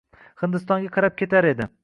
Hindistonga qarab ketar edi.